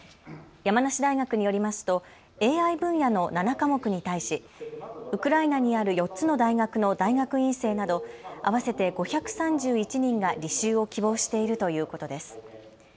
山梨大学によりますとＡＩ分野の７科目に対しウクライナにある４つの大学の大学院生など合わせて５３１人が履修を希望しているということです。